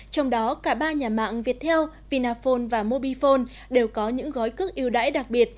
trong đó cả ba nhà mạng viettel vinaphone và mobifone đều có những gói cước yêu đáy đặc biệt